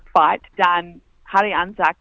fight dan hari ansat